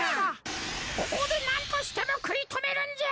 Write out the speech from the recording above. ここでなんとしてもくいとめるんじゃ！